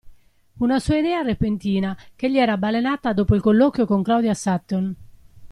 Una sua idea repentina, che gli era balenata dopo il colloquio con Claudia Sutton.